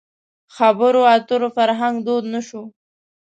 خبرو اترو فرهنګ دود نه شوی.